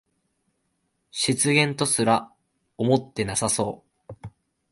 失言とすら思ってなさそう